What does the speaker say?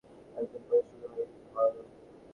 এতদিন পরে শুরু হল ভয়!